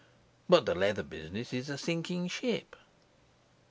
But the leather business is a sinking ship.